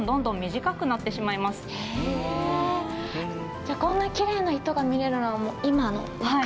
じゃあこんなきれいな糸が見れるのはもう今の若い。